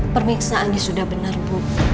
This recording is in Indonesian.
permiksaan sudah benar bu